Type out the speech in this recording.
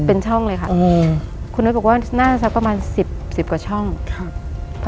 เป็นช่องเลยค่ะอืมคุณน้อยบอกว่าน่าจะสักประมาณสิบสิบกว่าช่องครับ